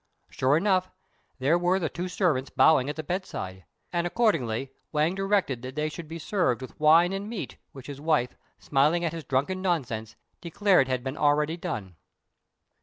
Sure enough there were the two servants bowing at the bedside, and accordingly Wang directed that they should be served with wine and meat, which his wife, smiling at his drunken nonsense, declared had been already done.